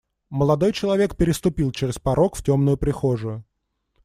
Молодой человек переступил через порог в темную прихожую.